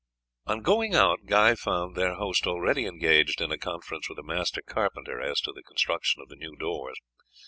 On going out Guy found their host already engaged in a conference with a master carpenter as to the construction of the new doors.